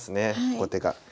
後手が。